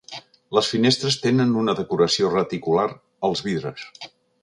Les finestres tenen una decoració reticular als vidres.